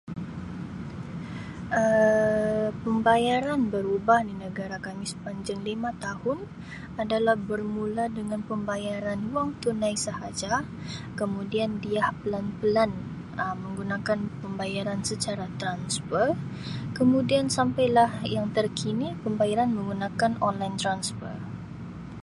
Um Pembayaran berubah di negara kami sepanjang lima tahun adalah bermula dengan pembayaran wang tunai sahaja kemudian dia pelan-pelan Um menggunakan pembayaran secara transfer kemudian sampailah yang terkini pembayaran online transfer.